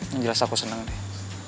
yang jelas aku senang deh